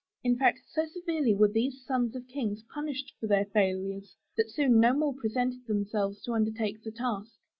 In fact, so severely were these sons of Kings punished for their failures, that soon no more pre sented themselves to undertake the task.